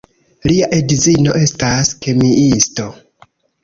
Lia edzino estas kemiisto.